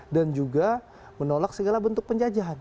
dan juga menolak segala bentuk penjajahan